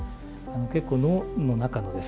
結構脳の中のですね